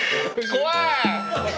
怖い！